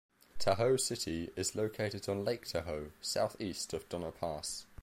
Tahoe City is located on Lake Tahoe, southeast of Donner Pass.